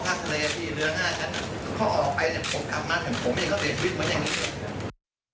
ผมเนี่ยก็เสียชีวิตเหมือนอย่างนี้